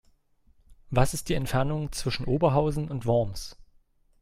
Was ist die Entfernung zwischen Oberhausen und Worms?